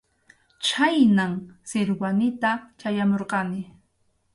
Chhaynam Sikwanita chayamurqani.